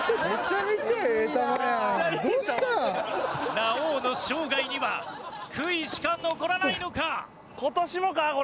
ラオウの生涯には悔いしか残らないのか？